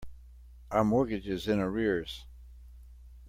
Our mortgage is in arrears.